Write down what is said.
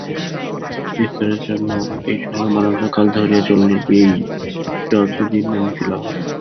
বিস্তারের জন্য এই সংগ্রাম অনন্তকাল ধরিয়া চলিবেই, যতদিন না মুক্তিলাভ হয়।